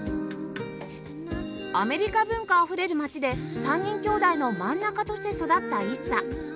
アメリカ文化あふれる町で３人きょうだいの真ん中として育った ＩＳＳＡ